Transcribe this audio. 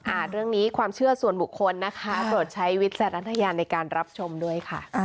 เรื่องนี้ความเชื่อส่วนบุคคลนะคะโปรดใช้วิจารณญาณในการรับชมด้วยค่ะ